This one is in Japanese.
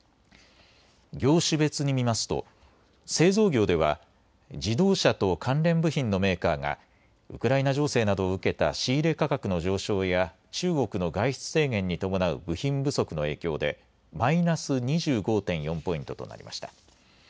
業種別に見ますと製造業では自動車と関連部品のメーカーがウクライナ情勢などを受けた仕入れ価格の上昇や中国の外出制限に伴う部品不足の影響でマイナス２５．４ポイントとなりました。